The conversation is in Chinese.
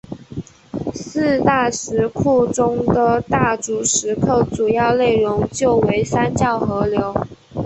四大石窟中的大足石刻主要内容就为三教合流。